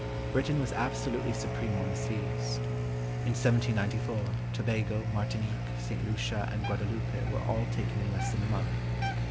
Britain was absolutely supreme on the seas. In 1794, Tobago, Martinique, St. Lucia, and Guadaloupe were all taken in less than a month.